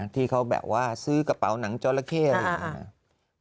ที่เขาแบบว่าซื้อกระเป๋าหนังจอละเข้อะไรอย่างนี้